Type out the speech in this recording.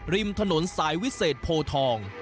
ริมถนนสายวิเศษโพทอง